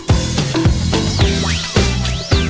ช่องรบด้วยปลอดภัย